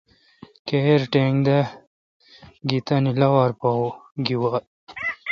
کییر ٹنگ داگی تانی لاوار پا گی واں۔